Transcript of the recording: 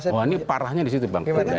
bahwa ini parahnya disitu bang